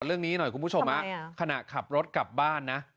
เรื่องนี้หน่อยคุณผู้ชมฮะขณะขับรถกลับบ้านนะ